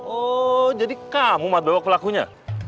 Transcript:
oh jadi kamu mat bawa pelakunya